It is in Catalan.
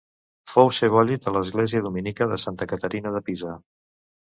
Fou sebollit a l'església dominica de Santa Caterina de Pisa.